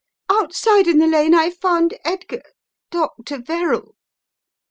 Outside in the lane I found Edgar — Dr. Verrall."